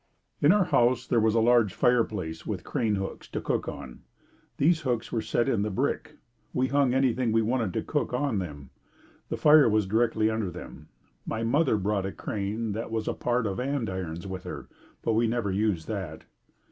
In our house there was a large fireplace with crane hooks, to cook on. These hooks were set in the brick. We hung anything we wanted to cook on them. The fire was directly under them. My mother brought a crane that was a part of andirons, with her, but we never used that.